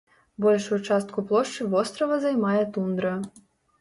Большую частку плошчы вострава займае тундра.